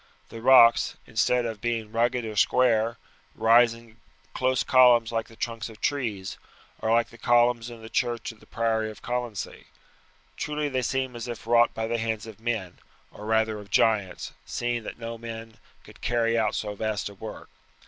The rocks, instead of being rugged or square, rise in close columns like the trunks of trees, or like the columns in the church of the priory of Colonsay. Truly they seem as if wrought by the hands of men, or rather of giants, seeing that no men could carry out so vast a work.